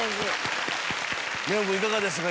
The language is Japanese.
レウォン君いかがでしたか？